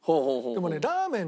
でもね。